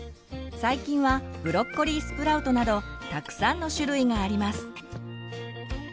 最近はブロッコリースプラウトなどたくさんの種類があります。